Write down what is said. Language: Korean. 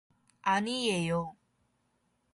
아니예요.